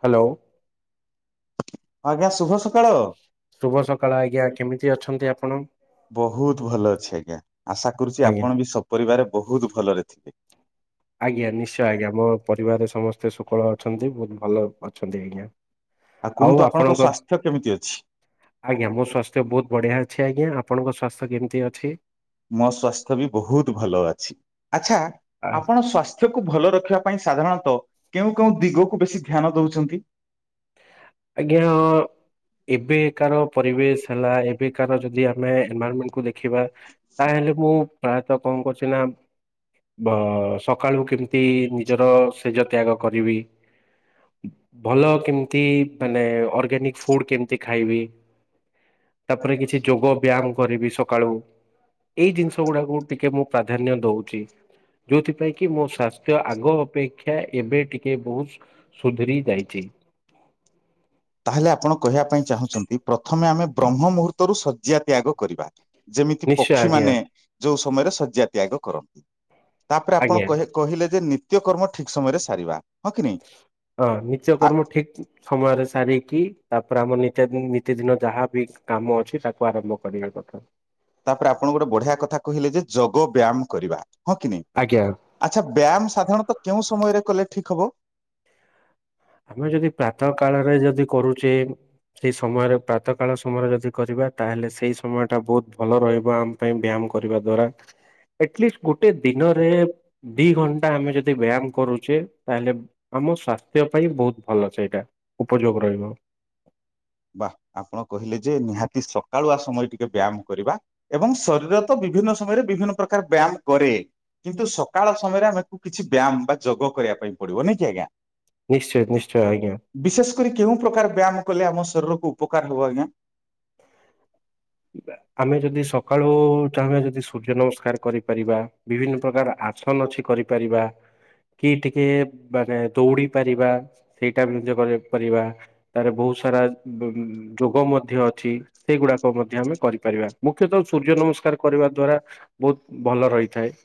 Hello. ଆଜ୍ଞା ଶୁଭ ସ ଶୁଭ ସକାଳ ଆଜ୍ଞା କେମିତି ଅଛନ୍ତି ଆପଣ? ବହୁତ ଭଲ ଅଛି ଆଜ୍ଞା ଆଶା କରୁଚି ଆଜ୍ଞା ଆପଣ ବି ସପରିବାର ବହୁତ ଭଲରେ ଥିବେ। ଆଜ୍ଞା ନିଶ୍ଚୟ ଆଜ୍ଞା ମୋ ପରିବାରରେ ସମସ୍ତେ ଶୁକଳ ଅଛନ୍ତି ବହୁତ ଭଲ ଅଛନ୍ତି ଆଜ୍ଞା। ଆଉ କୁହନ୍ତୁ ଆପଣଙ୍କ ସ୍ଵାସ୍ଥ୍ୟ କେମିତି ଅଛି? ଆଜ୍ଞା ମୋ ସ୍ଵାସ୍ଥ୍ୟ ବହୁତ ବଢିଆ ଅଛି ଆଜ୍ଞା ଆପଣଙ୍କ ସ୍ଵାସ୍ଥ୍ୟ କେମିତି ଅଛି? ମୋ ସ୍ଵାସ୍ଥ୍ୟ ବି ବହୁତ ଭଲ ଅଛି ଆଛା ଆ ଆପଣ ସ୍ଵାସ୍ଥ୍ୟକୁ ଭଲ ରଖିବା ପାଇଁ ସାଧାରଣତଃ କେଉଁ କେଉଁ ଦିଗକୁ ବେଶୀ ଧ୍ୟାନ ଦେଉଛନ୍ତି? ଆଜ୍ଞା ଏବେକାର ପରିବେଶ ହେଲା ଏବେକାର ଯଦି ଆମେ ଏନଭରମେଣ୍ଟ କ ଦେଖିବା ତାହେଲେ ମୁଁ ପ୍ରାୟତଃ କଣ କରୁଛି ନା ଭ ସକାଳୁ କେମିତି ନିଜର ସେଜ ତ୍ୟାଗ କରିବି ଭଲ କେମିତି ମାନେ ଅର୍ଗାନିକ ଫୁଡ କେମତି ଖାଇବି ତାପରେ କିଛି ଯୋଗ ବ୍ୟାୟାମ କରିବି ସକାଳୁ ଏଇ ଜିନିଷ ଗୁଡାକୁ ଟିକେ ମୁଁ ପ୍ରାଧାନ୍ୟ ଦଉଚି। ଯୋଉଥିପାଇଁ କି ମୋ ସ୍ଵାସ୍ଥ୍ୟ ଆଗ ଅପେକ୍ଷା ଏବେ ଟିକେ ବହୁତ ସୁଧୁରି ଯାଇଚି। ର ତାହେଲେ ଆପଣ କହିବା ପାଇଁ ଚାହୁଁଛନ୍ତି ପ୍ରଥମେ ଆମେ ବ୍ରହ୍ମ ମୁହୂର୍ତରୁ ଶଯ୍ୟା ତ୍ୟାଗ କରିବା? ଯେମିତି ନିଶ୍ଚୟ ଆଜ୍ଞା ପକ୍ଷୀମାନେ ଯୋଉ ସମୟରେ ଶଯ୍ୟା ତ୍ୟାଗ କରନ୍ତି। ତାପରେ ଆପଣ ଆଜ୍ଞା କହ କହିଲେ ଯେ ନିତ୍ୟ କର୍ମ ଠିକ ସମୟରେ ସାରିବା ହଁ କି ନାଇଁ ହଁ ନିଚ କର୍ମ ଠିକ ସମୟରେ ସାରି କି ତାପରେ ଆମ ନିତ ଦିନ ନୀତି ଦିନ ଯାହାବି କାମ ଅଛି ତାକୁ ଆରମ୍ଭ କରିବା କଥା। ତାପରେ ଆପଣ ଗୋଟେ ବଢିଆ କଥା କହିଲେ ଯେ ଯୋଗ ବ୍ୟାୟାମ କରିବା ହଁ କି ନାଇଁ ଆଜ୍ଞା। ଆଚ୍ଛା ବ୍ୟାୟାମ ସାଧାରଣତଃ କେଉଁ ସମୟରେ କଲେ ଠିକ୍ ହବ। ଆମେ ଯଦି ପ୍ରାତଃ କାଳରେ ଯଦି କରୁଚେ ସେଇ ସମୟରେ ପ୍ରାତ କାଳ ସମୟରେ ଯଦି କରିବା ତାହେଲେ ସେଇ ସମୟଟା ବୋହୁତ ଭଲ ରହିବ ଆମ ପାଇଁ ବ୍ୟାୟାମ୍ କରିବା ଦ୍ଵାରା ଏଟଲିଷ୍ଟ ଗୋଟେ ଦିନରେ ଦି ଘଣ୍ଟା ଆମେ ଯଦି ବ୍ୟାୟାମ କରୁଚେ ତାହେଲେ ଆମ ସ୍ୱାସ୍ଥ୍ୟ ପାଇଁ ବୋହୁତ ଭଲ ସେଇଟା ଉପଯୋଗ ରହିବ। ବା ଆପଣ କହିଲେ ଯେ ନିହାତି ସକାଳୁଆ ସମୟ ଟିକେ ବ୍ୟାୟାମ କରିବା ଏବଂ ଶରୀର ତ ବି ବିଭିନ୍ନ ସମୟରେ ବିଭିନ୍ନ ପ୍ରକାର ବ୍ୟାୟାମ କରେ। କିନ୍ତୁ ସକାଳ ସମୟରେ ଆମକୁ କିଛି ବ୍ୟାୟାମ ବା ଯୋଗ କରିବା ପାଇଁ ପଡ଼ିବ। ନାଇଁ କି ଆଜ୍ଞା? ନିଶ୍ଚୟ ନିଶ୍ଚୟ ଆଜ୍ଞା ବିଶେଷ କରି କେଉଁ ପ୍ରକାର ବ୍ୟାୟାମ କଲେ ଆମ ଶରୀରକୁ ଉପକାର ହେବ ଆଜ୍ଞା? ଆମେ ଯଦି ସକାଳୁ ଚାହୁେ ଯଦି ସୂର୍ଯ୍ୟ ନମସ୍କାର କରିପାରିବା ବିଭିନ୍ନ ପ୍ରକାର ଆସନ ଅଛି କରିପାରିବା। କି ଟିକେ ମାନେ ଦୌଡ଼ି ପାରିବା ସେଇ ଟାଇପ୍ ର ଯୋଗ ଯେ କରିବା ତାର ବୋହୁ ସାରା ବ ଯୋଗ ମଧ୍ୟ ଅଛି ସେଇଗୁଡ଼ା କ ମଧ୍ୟ ଆମେ କରିପାରିବା ମୁଖ୍ୟତଃ ସୂର୍ଯ୍ୟ ନମସ୍କାର କରିବା ଦ୍ଵାରା ବୋହୁତ ଭଲ ରହିଥାଏ। [inaudible]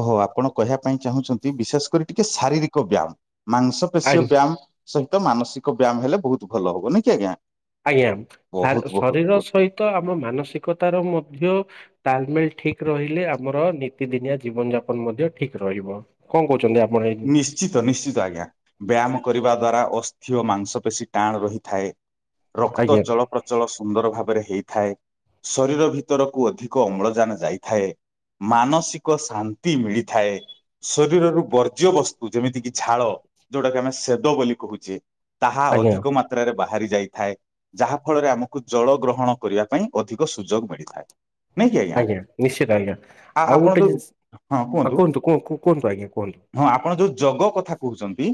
ଓହୋ ଆପଣ କହିବା ପାଇଁ ଚାହୁଁଚନ୍ତି ବିଶେଷ କରି ଟିକେ ଶାରୀରିକ ବ୍ୟାମ। ମାଂସ ଆଇନ ପେଶୀୟ ବ୍ୟାମ ସହିତ ମାନସିକ ବ୍ୟାମ ହେଲେ ବୋହୁତ ଭଲ ହବ। ନାଁ କି ଆଜ୍ଞା? ଆଜ୍ଞା ସାର୍ ବହୁତ ଶରୀର ବହୁତ ସହିତ ଆମ ମାନସିକତାର ମଧ୍ୟ ତାଲମେଲ୍ ଠିକ ରହିଲେ ଆମର ନୀତି ଦିନିଆ ଜୀବନ ଯାପନ ମଧ୍ୟ ଠିକ ରହିବ କଁ କୋହୁଚନ୍ତି ଆ ନିଶ୍ଚିତ ନିଶ୍ଚିତ ଆଜ୍ଞା ବ୍ୟାମ କରିବା ଦ୍ଵାରା ଅସ୍ ଖିଅ ମାଂସ ପେଶୀ ଟାଣ ରହିଥାଏ ରକ୍ତ ଆଜ୍ଞା ଚଳପ୍ରଚଳ ସୁନ୍ଦର ଭାବରେ ହେଇ ଥାଏ ଶରୀର ଭିତରକୁ ଅଧିକ ଅମ୍ଳଜାନ ଯାଇଥାଏ। ମାନସିକ ଶାନ୍ତି ମିଳିଥାଏ ଶରୀରରୁ ବର୍ ଜ୍ୟ ବସ୍ତୁ ଯେମିତି କିି ଝାଳ ଯୋଉଟା କି ଆମେ ଶେଦ ବୋଲି କୋହୁଚେ ତାହା ଆଜ୍ଞା ଅଧିକ ମାତ୍ରାରେ ବାହାରି ଯାଇଥାଏ ଯାହା ଫଳରେ ଆମୁକୁ ଜଳ ଗ୍ରହଣ କରିବା ପାଇଁ ଅଧିକ ସୁଯୋଗ ମିଳିଥାଏ। ନାଇଁ କି ଆଜ୍ଞା ନିଶ୍ଚିତ ଆଜ୍ଞା ଆ ଆଉ ଆପଣ ଗୋଟେ ଯୋଉ ଜିନିଷ ହଁ କୁହନ୍ତୁ କୁଅ କୁ କୁହନ୍ତୁ ଆଜ୍ଞା କୁହନ୍ତୁ। ହଁ ଆପଣ ଯୋଉ ଯଗ କଥା କୋହୁଚନ୍ତି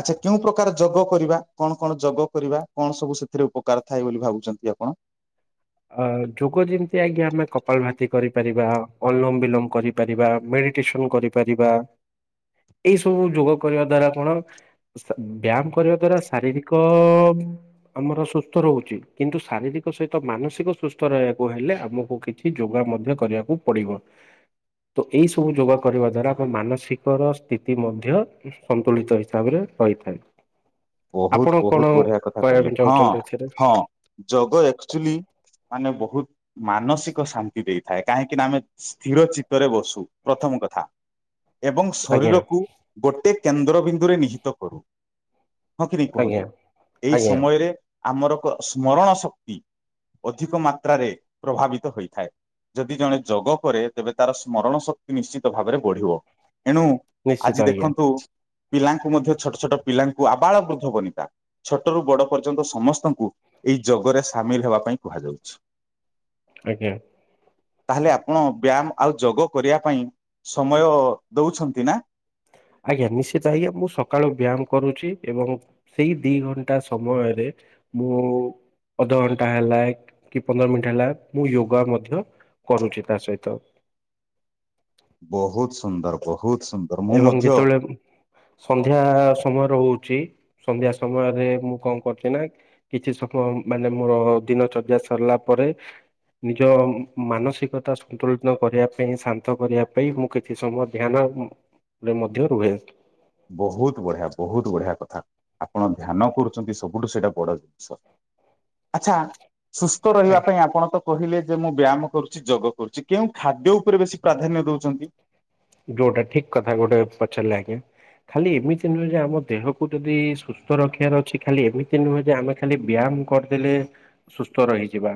ଆଚ୍ଛା କେଉଁ ପ୍ରକାର ଯଗ କରିବା କଣ କଣ ଯଗ କରିବା କଣ ସବୁ ସେଥିରେ ଉପକାର ଥାଏ ବୋଲି ଭାବୁଚ ଚନ୍ତି ଆପଣ। ହଁ ଅ ଯୋଗ ଯେମତି ଆଜ୍ଞା ଆମେ କପାଳ ଭାତି କରିପାରିବା ଅନୁଲୋମ ବିଲୋମ କରିପାରିବା ମେ ଇଟେସନ୍ କରିପାରିବା ଏଇ ସବୁ ଯୋଗ କରିବା ଦ୍ଵାରା କଣ ସା ବ୍ୟାମ କରିବା ଦ୍ଵାରା ଶାରୀରିକ ଆମର ସୁସ୍ଥ ରହୁଚି କିନ୍ତୁ ଶାରୀରି କ ସହିତ ମାନସିକ ସୁସ୍ଥ ରହିବାକୁ ହେଲେ ଆମୁକୁ କିଛି ଯୋଗା ମଧ୍ୟ କରିବାକୁ ପଡ଼ିବ। ତ ଏଇ ସବୁ ଯୋଗ କରିବା ଦ୍ଵାରା ଆମ ମାନସିକର ସ୍ଥିତି ମଧ୍ୟ ସନ୍ତୁଳିତ ହିସାବରେ ରହିଥାଏ। ଆପଣ ବହୁତ କଣ ବହୁତ ବଢ଼ିଆ କଥା କହିବା କହିଲେ ପାଇଁ ହଁ ଚାହୁଁଛନ୍ତି ଏଥିରେ ହଁ ଯୋଗ ଏକ୍ଚୁଲି ମାନେ ବହୁତ ମାନସିକ ଶାନ୍ତି ଦେଇଥାଏ କାହିଁକି ନାଁ ଆମେ ସ୍ଥିର ଚିତ୍ତରେ ବସୁ ପ୍ରଥମ କଥା। ଏବଂ ଆଜ୍ଞା ଶରୀରକୁ ଗୋଟେ କେନ୍ଦ୍ରବିନ୍ଦୁରେ ନିହିତ କରୁ। ହଁ କି ନାଇଁ ଆଜ୍ଞା କୁହନ୍ତୁ ଏଇ ଆଜ୍ଞା ସମୟରେ ଆମର କ ସ୍ମରଣ ଶକ୍ତି ଅଧିକ ମାତ୍ରାରେ ପ୍ରଭାବିତ ହୋଇଥାଏ।। ଯଦି ଜଣେ ଯୋଗ କରେ ତେବେ ତାର ସ୍ମରଣ ଶକ୍ତି ନିଶ୍ଚିତ ଭାବରେ ବଢ଼ିବ। ଏଣୁ ନିଶ୍ଚିତ ଆଜି ଆଜ୍ଞା ଦେଖନ୍ତୁ ପିଲାଙ୍କୁ ମଧ୍ୟ ଛୋଟ ଛୋଟ ପିଲା କୁ ଆବାଳ ବୃଦ୍ଧ ବନିତା ଛୋଟରୁୁ ବଡ଼ ପର୍ଯ୍ୟନ୍ତ ସମସ୍ତଙ୍କୁ ଏଇ ଯୋଗରେ ସାମିଲ ହେବା ପାଇଁ କୁହା ଯାଉଛି। ଆଜ୍ଞା। ତାହେଲେ ଆପଣ ବ୍ୟାୟାମ ଆଉ ଯୋଗ କରିବା ପାଇଁ ସମୟ ଦଉଛନ୍ତି ନା? ଆଜ୍ଞା ନିଶ୍ଚିତ ଆଜ୍ଞା ମୁଁ ସକାଳୁ ବ୍ୟାୟାମ କରୁଛି ଏବଂ ସେଇ ଦି ଘଣ୍ଟା ସମୟରେ ମୁଁ ଅଧଘଣ୍ଟା ହେଲା କି ପନ୍ଦର ମିନିଟ ହେଲା ମୁଁ ୟୋଗା ମଧ୍ୟ କରୁଛି ତା ସହିତ। ବହୁତ ସୁନ୍ଦର ବହୁତ୍। ଏବଂ ଯେତେବେଳେ ସନ୍ଧ୍ୟା ସମୟ ରହୁଛି ସନ୍ଧ୍ୟା ସମୟରେ ମୁଁ କଣ କରୁଛି ନା କିଛି ସମୟ ମାନେ ମୋର ଦିନ ଚର୍ଯ୍ୟା ସରିଲା ପରେ। ନିଜ ମାନସିକତା ସନ୍ତୁଳିନ କରିବା ପାଇଁ ଶାନ୍ତ କରିବା ପାଇଁ ମୁଁ କିଛି ସମୟ ଧ୍ୟାନ ରେ ମଧ୍ୟ ରୁହେ। ବହୁତ ବଢିଆ ବହୁତ ବଢିଆ କଥା। ଆପଣ ଧ୍ୟାନ କରୁଛନ୍ତି ସବୁଠୁ ସେଇଟା ବଡ ଜିନିଷ ଆଛା ସୁସ୍ଥ ଆଜ୍ଞା। ରହିବା ପାଇଁ ଆପଣ ତ କହିଲେ ଯେ ମୁଁ ବ୍ୟାୟାମ କରୁଛି ଯୋଗ କରୁଛି କେଉଁ ଖାଦ୍ୟ ଉପରେ ବେଶୀ ପ୍ରାଧାନ୍ୟ ଦଉଛନ୍ତି? ଯୋଉଟା ଠିକ କଥା ଗୋଟେ ପଚାରିଲେ ଆଜ୍ଞା। ଖାଲି ଏମିତି ନୁହେଁ ଯେ ଆମ ଦେହକୁ ଯଦି ସୁସ୍ଥ ରଖିବାର ଅଛି ଖାଲି ଏମିତି ନୁହେଁ ଯେ ଆମେ ଖାଲି ବ୍ୟାୟାମ। କ କରିଦେଲେ ସୁସ୍ଥ ରହିଯିବା।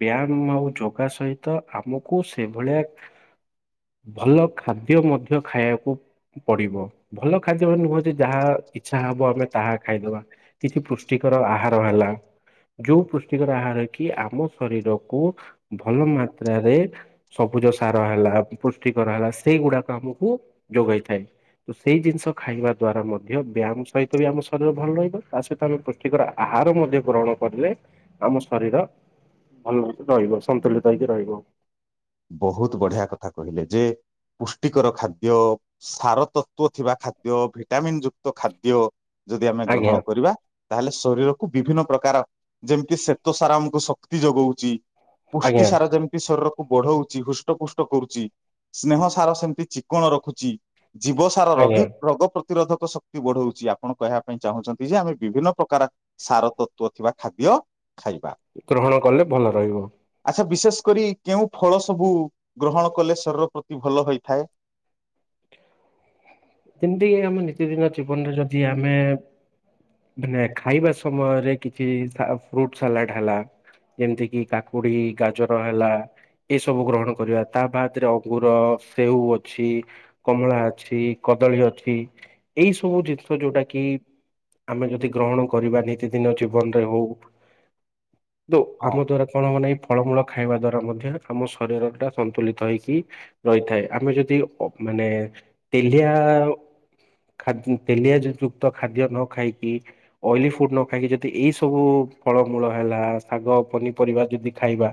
ବ୍ୟାୟାମ ଆଉ ଯୋଗା ସହିତ ଆମକୁ ସେଭଳିଆ ଭଲ ଖାଦ୍ୟ ମଧ୍ୟ ଖାଇବାକୁ ପଡିବ ଭଲ ଖାଦ୍ୟ ନୁହଁ ଯେ ଯାହା ଇଚ୍ଛା ହବ ଆମେ ତାହା ଖାଇଦବା କିଛି ପୁଷ୍ଟିକ ର ଆହାର ହେଲା। ଯୋଉ ପୃଷ୍ଟିକର ଆହାର କି ଆମ ଶରୀରକୁ ଭଲ ମାତ୍ରାରେ ସବୁ ସବୁଜ ସାର ହେଲା ପୁଷ୍ଟିକର ହେଲା ସେଇଗୁଡାକ ଆମକୁ ଯୋଗାଇଥାଏ। ତ ସେଇ ଜିନିଷ ଖାଇବା ଦ୍ଵାରା ମଧ୍ୟ ବ୍ୟାୟାମ ସହିତ ବି ଆମ ଶରୀର ଭଲ ରହିବ ତା ସହିତ ଆମେ ପୁଷ୍ଟିକର ଆହା ହାର ମଧ୍ୟ ଗ୍ରହଣ କରିଲେ ଆମ ଶରୀର ଭଲଛି ରହିବ ସନ୍ତୁଳିତ ହେଇକି ରହିବ। ବହୁତ ବଢିଆ କଥା କହିଲେ ଯେ ପୁଷ୍ଟିକର ଖାଦ୍ୟ ସାରତତ୍ତ୍ୱ ଥିବା ଖାଦ୍ୟ ଭିଟାମିନ୍ ଯୁକ୍ତ ଖାଦ୍ୟ। ଯଦି ଆମେ ଗ୍ରହଣ ଆଜ୍ଞା କରିବା ତାହେଲେ ଶରୀର ବିଭିନ୍ନ ପ୍ରକାର ଯେମିତି ଶ୍ୱେତସାର ଆମକୁ ଶକ୍ତି ଯୋଗଉଛି। ଆଜ୍ଞା ପୁଷ୍ଟିସାର ଯେମିତି ଶରୀରକୁ ବଢଉ। ଉଛି ହୃଷ୍ଟପୃଷ୍ଟ କରୁଛି ସ୍ନେହସାର ସେମିତି ଚିକ୍କଣ ରଖୁଛି। ଜୀବସାର ରୋଗୀ ଆଜ୍ଞା ରୋଗପ୍ରତି ପ୍ରତିରୋଧକ ଶକ୍ତି ବଢଉଛି ଆପଣ କହିବା ପାଇଁ ଚାହୁଁଛନ୍ତି ଯେ ଆମେ ବିଭିନ୍ନ ପ୍ରକାର ସାରତତ୍ତ୍ୱ ଥିବା ଖାଦ୍ୟ ଖାଇବା ଗ୍ରହଣ କଲେ ଭଲ ରହିବ। ଆ ବିଶେଷ କରି କେଉଁ ଫଳ ସବୁ ଗ୍ରହଣ କଲେ ଶରୀର ପ୍ରତି ଭଲ ହୋଇଥାଏ। ଯେମିତି ଆମ ନିତିଦିନ ଜୀବନରେ ଯଦି ଆମେ ମାନେ ଖାଇବା ସମୟରେ କିଛି ଫ୍ରୁଟ ସାଲାଡ ହେଲା ଯେମିତି କିି କାକୁଡି ଗାଜର ହେଲା ଏସବୁ ଗ୍ରହଣ କରିବା ତା ବାଦରେ ଅଙ୍ଗୁର ସେଉ ଅଛି କମଳା ଅଛି। କଦଳୀ ଅଛି ଏଇ ସବୁ ଜିନିଷ ଯୋଉଟା କି? ଆମେ ଯଦି ଗ୍ରହଣ କରିବା ନିତିଦିନ ଜୀବନରେ ହଉ। ତ ହଁ ଆମ ଦ୍ଵାରା କଣ ହବ ନାଏପ ଫଳମୂଳ ଖାଇବା ଦ୍ୱାରା ମଧ୍ୟ ଆମ ଶରୀରଟା ସନ୍ତୁଳିତ ହେଇକି ରହିଥାଏ ଆମେ ଯଦି ମାନେ ତେଲିଆ ତେଲିଆ ଯୁକ୍ତ ଖାଦ୍ୟ ନ ଖାଇକି ଅଏଲି ଫୁଡ ନ ଖାଇକି ଯଦି ଏଇ ସବୁ ଫଳମୂଳ ହେଲା ଶାଗ ପନିପରିବା ଯଦି ଖାଇବା।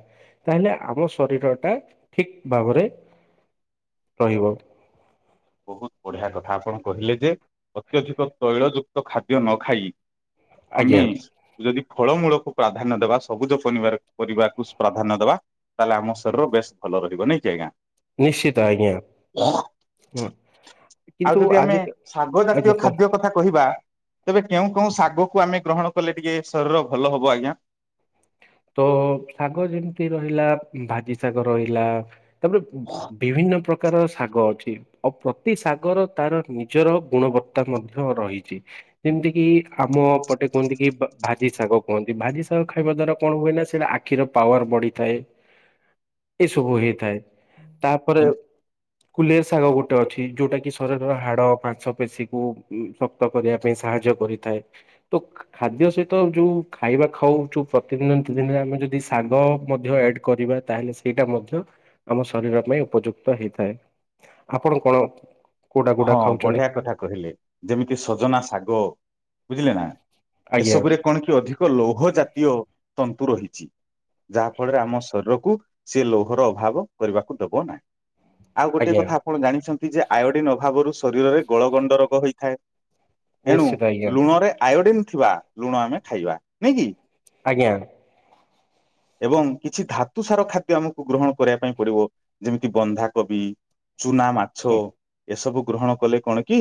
ତାହେଲେ ଆମ ଶରୀର ଟା ଠିକ ଭାବରେ ରହିବ। ବହୁତ ବଢିଆ କଥା ଆପଣ କହିଲେ ଯେ ଅତ୍ୟଧିକ ତୈଳ ଯୁକ୍ତ ଖାଦ୍ୟ ନ ଖାଇ ଆମେ ଆଜ୍ଞା ଯଦି ଫଳମୂଳକୁ ପ୍ରାଧାନ୍ୟ ଦେବା ସବୁଜ ପନିବାର ପରିବାକୁ ସ ପ୍ରାଧାନ୍ୟ ଦବା। ତାହେଲେ ଆମ ଶରୀର ବେଶ୍ ଭଲ ରହିବ ନାଇଁ କି ଆଜ୍ଞା। ନିଶ୍ଚିତ ଆଜ୍ଞା ହୁଁ। ଆଉ କିନ୍ତୁ ଯଦି ଆମେ ଆଜି ଶାଗ ଆଜ୍ଞା ଜାତୀୟ କୁହନ୍ତୁ। ଖାଦ୍ୟ କଥା କହିବା। ତେବେ କେଉଁ କେଉଁ ଶାଗକୁ ଆମେ ଗ୍ରହଣ କଲେ ଟିକେ ଶରୀର ଭଲ ହବ ଆଜ୍ଞା। ତ ଶାଗ ଯେମିତି ରହିଲା ଭାଜି ଶାଗ ରହିଲା। ତାପରେ ଉଁ ବିଭିନ୍ନ ପ୍ର କାର ଶାଗ ଅଛି ଆଉ ପ୍ରତି ଶାଗର ତାର ନିଜର ଗୁଣବତ୍ତା ମଧ୍ୟ ରହିଛି। ଯେମିତି କି ଆମ ପଟେ କୁହନ୍ତି କି ବା ଭାଜି ଶାଗ କୁହନ୍ତି ଭାଜି ଶାଗ ଖାଇବା ଦ୍ଵାରା। କଣ ହୁଏ ନା ସେଇଟା ଆଖିର ପାୱାର ବଢିଥାଏ ଏ ସବୁ ହେଇଥାଏ। ତାପରେ। ହୁଁ କୁଲେର ଶାଗ ଗୋଟେ ଅଛି ଯୋଉଟା କି ଶରୀର ହାଡ ମାଂସ ପେଶୀ କୁ ଉଁ ଶକ୍ତ କରିବା ପାଇଁ ସା ସାହାଯ୍ୟ କରିଥାଏ ତ ଖା-ଖାଦ୍ୟ ସହିତ ଯୋଉ ଖାଇବା ଖାଉ ଯୋଉ ପ୍ର ନୀତିଦିନ ନୀତିଦିନରେ ଆମେ ଯଦି ଶାଗ ମଧ୍ୟ ଏଡ କରିବା ତାହେଲେ ସେଇଟା ମଧ୍ୟ ଆମ ଶରୀର ପାଇଁ। ଉପଯୁକ୍ତ ହେଇଥାଏ ଆପଣ କଣ। କୋଉଟା କୋଉଟା ହଁ ଖାଉଛନ୍ତି? ବଢିଆ କଥା କହିଲେ ଯେମିତି ସଜନା ଶାଗ ବୁଝିଲେ ନା। ଆଜ୍ଞା ଏସବୁରେ କଣ କି ଅଧିକ ଲୌହ ଜାତୀୟ ତନ୍ତୁ ରହିଛି। ଯାହା ଫଳରେ ଆମ ଶରୀରକୁ ସେ ଲୌହର ଅଭାବ କରିବାକୁ ଦେବ ନାହିଁ। ଆଉ ଗୋଟିଏ ଆଜ୍ଞା କଥା ଆପଣ ଜାଣିଛନ୍ତି ଯେ ଆୟୋଡିନ ଅଭାବରୁ ଶରୀରରେ ଗଳ ଗଣ୍ଡ ରୋଗ ହୋଇଥାଏ। ଏଣୁ ନିଶ୍ଚିତ ଆଜ୍ଞା ଲୁଣରେ ଆୟୋଡିନ ଥିବା ଲୁଣ ଆମେ ଖାଇବା ନାଇଁ କି। ଆଜ୍ଞା। ଏବଂ କିଛି ଧାତୁ ସାର ଖାଦ୍ୟ ଆମକୁ ଗ୍ରହଣ କରିବା ପାଇଁ ପଡିବ ଯେମିତି ବନ୍ଧାକୋବି। ଚୁନା ମାଛ ହୁଁ ଏସବୁ। ଗ୍ରହଣ କଲେ କଣ କି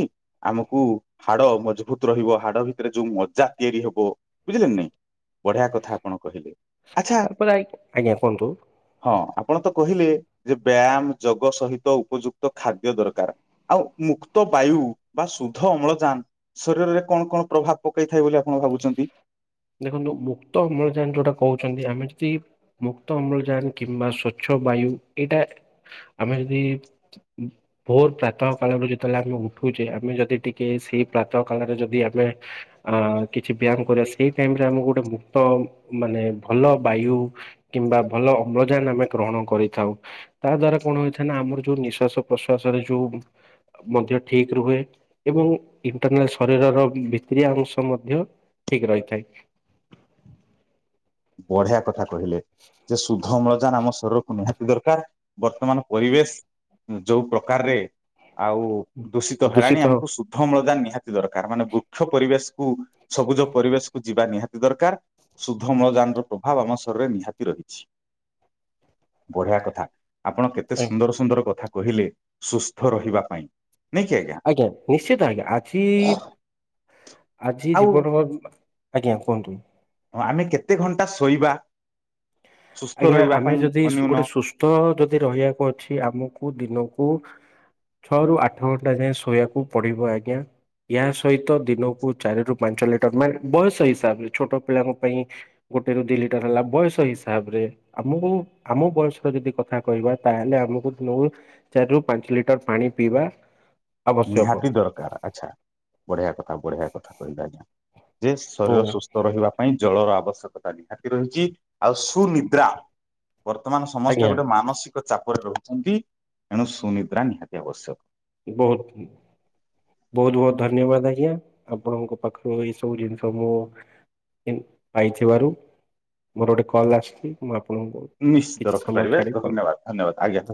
ଆମକୁ ହାଡ ମଜବୁତ ରହିବ ହାଡ ଭିତରେ ଯୋଉ ମଜା ତିଆରି ହେବ। ଓ ବୁଝିଲେ କି ନାଇଁ ବଢିଆ କଥା ଆପଣ କହିଲେ। ଆଚ୍ଛା ତାପରେ ଆ ଆଜ୍ଞା କୁହନ୍ତୁ। ହଁ ଆପଣ ତ କହିଲେ ଯେ ବ୍ୟାୟାମ ଯୋଗ ସହିତ ଉପଯୁକ୍ତ ଖାଦ୍ୟ ଦରକାର ଆଉ ମୁକ୍ତ ବାୟୁ ବା ସୁଦ୍ଧ ଅମ୍ଳଜାନ ଶରୀରରେ କଣ କଣ ପ୍ରଭାବ ପକେଇଥାଏ ବୋଲି ଆପଣ ଭାବୁଛନ୍ତି? ଦେଖନ୍ତୁ ମୁକ୍ତ ଅମ୍ଳଜାନ ଯୋଉଟା କହୁଛନ୍ତି ଆମେ ଯଦି ମୁକ୍ତ ଅମ୍ଳଜାନ କିମ୍ବା ସ୍ଵଚ୍ଛ। ବାୟୁ ଏଇଟା ଆମେ ଯଦି ଉଁ ଭୋର ପ୍ରାତଃ କାଳରୁ ଯେତେବେଳେ ଆମେ ଉଠୁଛେ ଆମେ ଯଦି ଟିକେ ସେଇ ପ୍ରାତଃ କାଳରେ ଯଦି ଆମେ ଅ କିଛି ବ୍ୟାୟାମ କରିବା ଶି ସେଇ ଟାଇମରେ ଆମକୁ ଗୋଟେ ମୁକ୍ତ ମାନେ ଭଲ ବାୟୁ କିମ୍ବା ଭଲ ଅମ୍ଳଜାନ ଆମେ ଗ୍ରହଣ କରିଥାଉ ତା ଦ୍ଵାରା କଣ ହୋଇଥାଏ ନା ଆମର ଯୋଉ ନିଶ୍ଵାସ ପ୍ରଶ୍ୱାସ ରେ ଯୋଉ। ମଧ୍ୟ ଠିକ ରୁହେ ଏବଂ ଇଣ୍ଟରନାଲ ଶରୀରର ଭିତିରିଆ ଅଂଶ ମଧ୍ୟ। ଠିକ ରହିଥାଏ। ବଢିଆ କଥା କହିଲେ ଯେ ସୁ ଶୁଦ୍ଧ ଅମ୍ଳଜାନ ଆମ ଶରୀରକୁ ନିହାତି ଦରକାର ବର୍ତ୍ତମାନ ପରିବେଶ। ଅଁ ଯୋଉ ପ୍ରକାରରେ। ଆଉ ଦୂଷିତ ହେଲାଣି ଆମକୁ ଶୁଦ୍ଧ ଅମ୍ଳଜାନ ନିହାତି ଦରକାର ମାନେ ବୃକ୍ଷ ପରିବେଶକୁ ସବୁଜ ପରିବେଶକୁ ଯିବା ନିହାତି ଦରକାର ଶୁଦ୍ଧ। ଅମ୍ଳଜାନର ପ୍ରଭାବ ଆମ ଶରୀରେ ନିହାତି ରହିଛି ବଢିଆ କଥା। ଆପଣ କେତେ ସୁନ୍ଦର ସୁନ୍ଦର କଥା କହିଲେ ସୁସ୍ଥ ରହିବା ପାଇଁ। ନାଇଁ କି ଆଜ୍ଞା ନିଶ୍ଚିତ ଆଜ୍ଞା ଆଜି ଆଜି ଆଉ ଜୀବନ। ଆଜ୍ଞା କୁହନ୍ତୁ। ହଁ ଆମେ କେତେ ଘଣ୍ଟା ଶୋଇବା। ସୁସ୍ଥ ଆଜ୍ଞା ରହିବା ଆମେ ପାଇଁ ଯଦି ସୁ ଅନ୍ୟୁନ ଗୋଟେ ସୁସ୍ଥ ଯଦି ରହିବାକୁ ଅଛି ଆମକୁ ଦିନକୁ। ଛଅ ରୁ ଆଠ ଘଣ୍ଟା ଯାଏ ଶୋଇବାକୁ ପଡିବ ଆଜ୍ଞା। ଏହା ସହିତ ଦିନକୁ ଚାରି ରୁ ପାଞ୍ଚ ଲିଟର ମାନେ ବୟସ ହିସାବରେ ଛୋଟ ପିଲାଙ୍କ ପାଇଁ। ଗୋଟେରୁ ଦି ଲିଟର ହେଲା ବୟସ ହିସା ତାପରେ ଆମକୁ ଆମ ବୟସର ଯଦି କଥା କହିବା ତାହେଲେ ଆମକୁ ଦିନକୁ ଚାରି ରୁ ପାଞ୍ଚ ଲିଟର ପାଣି ପିଇବା। ଆବଶ୍ୟକ ନିହାତି ଦରକାର ଆଚ୍ଛା ବଢ଼ିଆ କଥା ବଢ଼ିଆ କଥା କହିଲେ ଆଜ୍ଞା। ଯେ ଓ ଶରୀର ସୁସ୍ଥ ରହିବା ପାଇଁ ଜଳର ଆବଶ୍ୟକତା ନିହାତି ରହିଛି ଆଉ ସୁନିଦ୍ରା ବର୍ତମାନ ଆଜ୍ଞା ସମସ୍ତେ ଗୋଟେ ମାନସିକ ଚାପରେ ରହୁଛନ୍ତି ଏଣୁ ସୁନିଦ୍ରା ନିହାତି ଆବଶ୍ୟକ। ବହୁତ ବହୁତ ବହୁତ ଧନ୍ୟବାଦ ଆଜ୍ଞା ଆପଣଙ୍କ ପାଖରୁ ଏଇ ସବୁ ଜିନିଷ ମୁଁ ପାଇଥିବାରୁ ମୋର ଗୋଟେ କଲ୍ ଆସିଛି ମୁଁ ଆ ନିଶ୍ଚିତ ରଖିପାରିବେ ଧନ୍ୟବାଦ ଧନ୍ୟବାଦ ଆଜ୍ଞା।